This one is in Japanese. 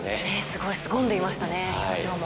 すごいすごんでいましたね表情も。